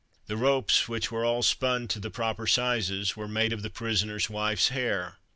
The ropes, which were all spun to the proper sizes, were made of the prisoner's wife's hair.